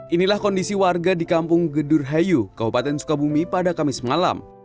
inilah kondisi warga di kampung gedurhayu kabupaten sukabumi pada kamis malam